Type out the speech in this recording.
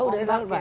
di tengah ya